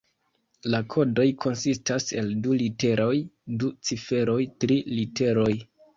La kodoj konsistas el du literoj, du ciferoj, tri literoj.